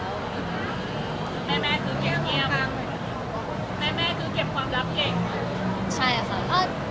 แม่แม่คือเก็บความรับเก่ง